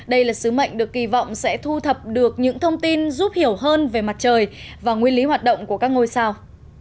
đây là sứ mệnh được kỳ vọng sẽ thu thập được những thông tin giúp hiểu hơn về mặt trời và nguyên lý hoạt động của các ngôi sao